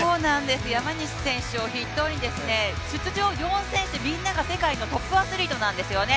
山西選手を筆頭に、出場４選手みんなが世界のトップアスリートなんですよね。